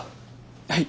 はい。